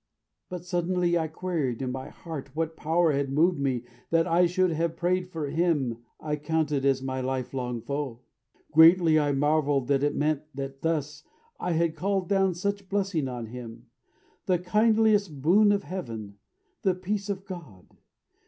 But suddenly I queried in my heart What power had moved me that I should have prayed For him I counted as my life long foe. Greatly I marveled what it meant that thus I had called down such blessing upon him The kindliest boon of heaven, the peace of God.